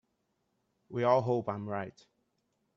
We all hope I am right.